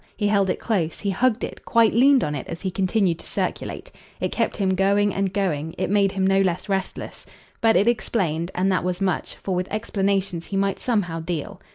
He held it close, he hugged it, quite leaned on it as he continued to circulate. It kept him going and going it made him no less restless. But it explained and that was much, for with explanations he might somehow deal.